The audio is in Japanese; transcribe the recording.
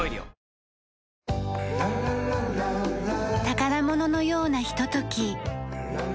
宝物のようなひととき。